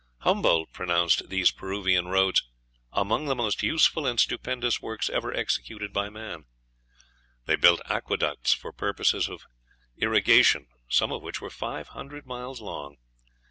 Humboldt pronounced these Peruvian roads "among the most useful and stupendous works ever executed by man." They built aqueducts for purposes of irrigation some of which were five hundred miles long.